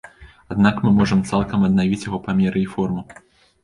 Аднак мы можам цалкам аднавіць яго памеры і форму.